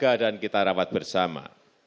jaga dan kita rawat bersama